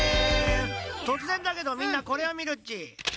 とつぜんだけどみんなこれをみるっち。